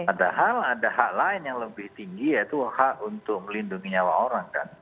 padahal ada hak lain yang lebih tinggi yaitu hak untuk melindungi nyawa orang kan